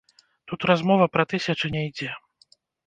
Тут размова пра тысячы не ідзе.